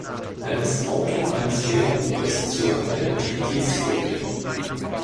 Er ist Autor eines Lehrbuches zur Relativitätstheorie.